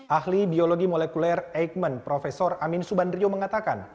ahli biologi molekuler eichmann prof amin subandrio mengatakan